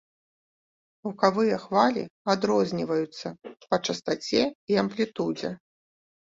Гукавыя хвалі адрозніваюцца па частаце і амплітудзе.